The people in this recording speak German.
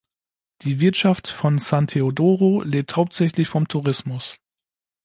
Die Wirtschaft von San Teodoro lebt hauptsächlich vom Tourismus.